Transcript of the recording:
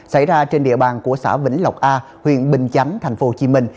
xảy ra trên địa bàn của xã vĩnh lộc a huyện bình chánh tp hcm